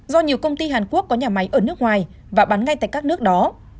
do nhiều công ty hàn quốc có nhà máy ở nước ngoài và bán ngay tại các nước đó